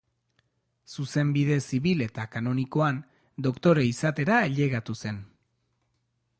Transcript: Zuzenbide zibil eta kanonikoan doktore izatera ailegatu zen.